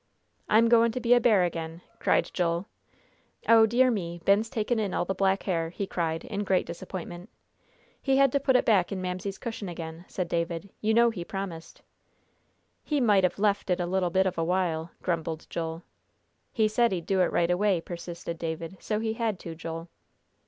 "I'm goin' to be bear again," cried Joel. "O dear me! Ben's taken in all the black hair," he cried, in great disappointment. "He had to put it back in Mamsie's cushion again," said David. "You know he promised." "He might have left it a little bit of a while," grumbled Joel. "He said he'd do it right away," persisted David, "so he had to, Joel."